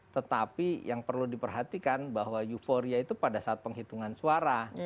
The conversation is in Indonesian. tetapi yang perlu diperhatikan bahwa euforia itu pada saat penghitungan suara